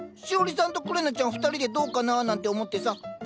しおりさんとくれなちゃん２人でどうかな？なんて思ってさ